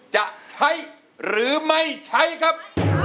จะใช้หรือไม่ใช้ครับ